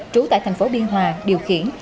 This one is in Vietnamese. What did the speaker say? trú tại thành phố biên hòa điều khiển